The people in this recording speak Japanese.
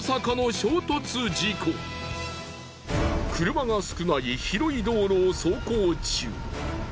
車が少ない広い道路を走行中。